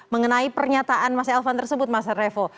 mengenai pernyataan mas elvan tersebut mas revo